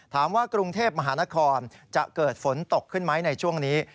ถามว่ากรุงเทพมหานครจะเกิดฝนตกขึ้นไหมในช่วงนี้